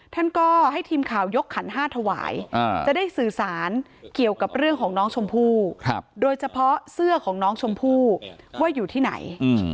ท่านก็ให้ทีมข่าวยกขันห้าถวายจะได้สื่อสารเกี่ยวกับเรื่องของน้องชมพู่โดยเฉพาะเสื้อของน้องชมพู่ว่าอยู่ที่ไหน